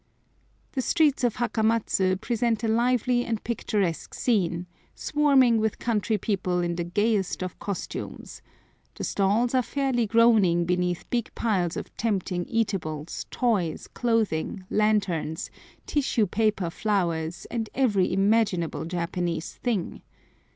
The streets of Hakamatsu present a lively and picturesque scene, swarming with country people in the gayest of costumes; the stalls are fairly groaning beneath big piles of tempting eatables, toys, clothing, lanterns, tissue paper flowers, and every imaginable Japanese thing.